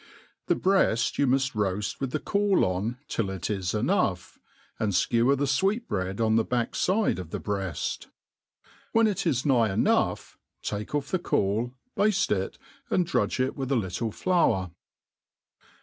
The MeafTyoii muft roaft with the cauloil till it is enough \ and Ikewer the lweecbreac| on ihe backfide of the'breafr. When It is nigh enough, take off the caul, bafte itj airf drudge it with a link flour.